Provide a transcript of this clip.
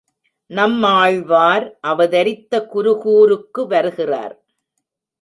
நம்மாழ்வார் அவதரித்த குருகூருக்கு வருகிறார்.